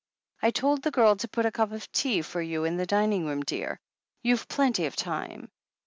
"I told the girl to put a cup of tea for you in the dining room, dear. You've plenty of time.